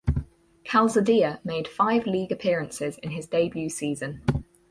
Calzadilla made five league appearances in his debut season.